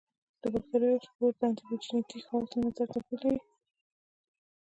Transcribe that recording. د باکتریاوو سپور د انټي جېنیک خواصو له نظره توپیر لري.